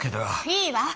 いいわ。